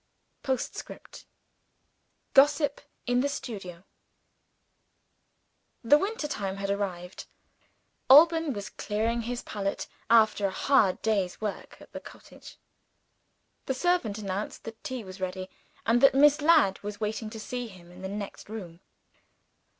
POSTSCRIPT. GOSSIP IN THE STUDIO. The winter time had arrived. Alban was clearing his palette, after a hard day's work at the cottage. The servant announced that tea was ready, and that Miss Ladd was waiting to see him in the next room.